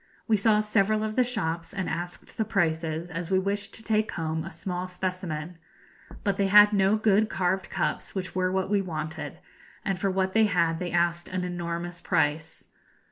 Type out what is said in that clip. We saw several of the shops, and asked the prices, as we wished to take home a small specimen; but they had no good carved cups, which were what we wanted, and for what they had they asked an enormous price.